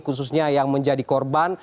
khususnya yang menjadi korban